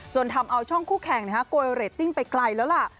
ทำเอาช่องคู่แข่งโกยเรตติ้งไปไกลแล้วล่ะ